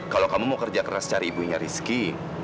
kalau kamu mau kerja keras cari ibunya rizky